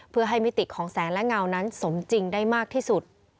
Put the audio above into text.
เพื่อให้มิติของแสนและเงานั้นสมจริงได้มากที่สุด